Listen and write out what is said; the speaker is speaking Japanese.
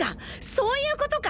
そういうことか！！